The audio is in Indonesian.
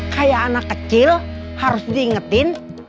kayak anak kecil harus diingetin